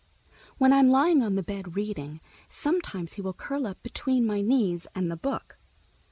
When I'm lying on the bed reading, sometimes he will curl up between my knees and the book.